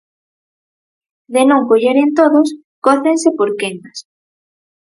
De non colleren todos, cócense por quendas.